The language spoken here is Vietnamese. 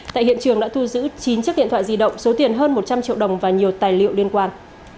tại hiện trường đã thu giữ chín chiếc điện thoại di động số tiền hơn một trăm linh triệu đồng và nhiều tài liệu liên quan